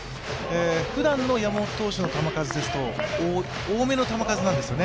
ふだんの山本投手の球数ですと、多めの球数なんですよね。